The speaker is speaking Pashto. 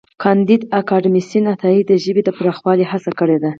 کانديد اکاډميسن عطايي د ژبې د پراخولو هڅه کړې ده.